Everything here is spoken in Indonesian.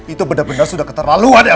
itu bener bener sudah ke teleluan elsa